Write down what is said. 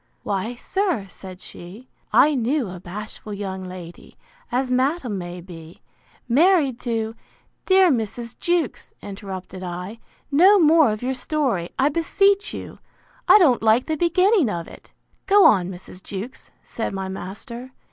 Why, sir, said she, I knew a bashful young lady, as madam may be, married to—Dear Mrs. Jewkes, interrupted I, no more of your story, I beseech you; I don't like the beginning of it. Go on, Mrs. Jewkes, said my master.